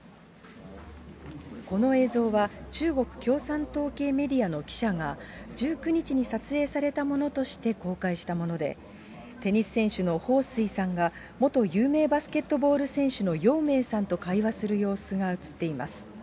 この映像は、中国共産党系メディアの記者が、１９日に撮影されたものとして公開したもので、テニス選手の彭帥さんが、元有名バスケットボール選手のようめいさんと会話する様子が映っています。